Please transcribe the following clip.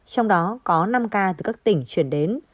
một mươi sáu trong đó có năm ca từ các tỉnh chuyển đến